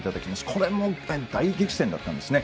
これも大激戦だったんですね。